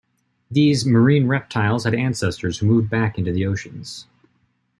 These marine reptiles had ancestors who moved back into the oceans.